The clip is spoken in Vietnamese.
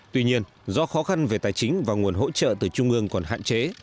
tuy nhiên do khó khăn về tài chính và nguồn hỗ trợ từ trung ương còn hạn chế